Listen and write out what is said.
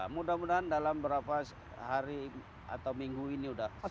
mudah mudahan dalam beberapa hari atau minggu ini udah selesai